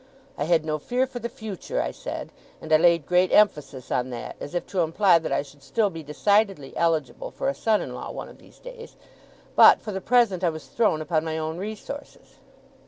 I had no fear for the future, I said and I laid great emphasis on that, as if to imply that I should still be decidedly eligible for a son in law one of these days but, for the present, I was thrown upon my own resources.